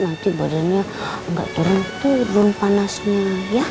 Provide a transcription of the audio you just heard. nanti badannya gak turun turun panasnya ya